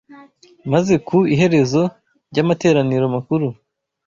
maze ku iherezo ry’amateraniro makuru